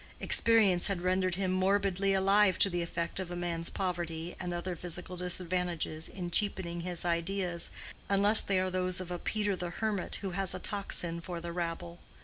Experience had rendered him morbidly alive to the effect of a man's poverty and other physical disadvantages in cheapening his ideas, unless they are those of a Peter the Hermit who has a tocsin for the rabble.